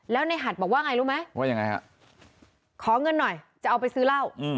แล้วในหัดบอกว่าไงรู้ไหมว่ายังไงฮะขอเงินหน่อยจะเอาไปซื้อเหล้า